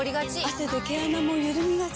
汗で毛穴もゆるみがち。